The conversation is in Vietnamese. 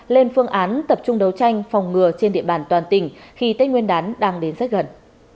lên phương án tập trung đấu tranh phòng ngừa trên địa bàn toàn tỉnh khi tết nguyên đán đang đến rất gần